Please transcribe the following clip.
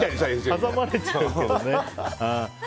挟まれちゃうけどね。